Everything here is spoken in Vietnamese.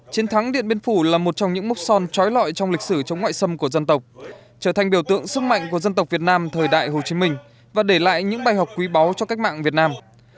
chiến thắng điện biên phủ là một trong những mốc son trói lọi trong lịch sử chống ngoại xâm của dân tộc trở thành biểu tượng sức mạnh của dân tộc việt nam thời đại hồ chí minh và để lại những bài học quý báu cho cách mạng việt nam